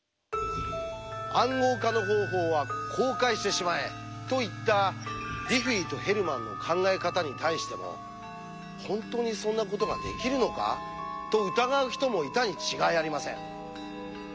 「暗号化の方法」は公開してしまえと言ったディフィーとヘルマンの考え方に対しても本当にそんなことができるのか？と疑う人もいたに違いありません。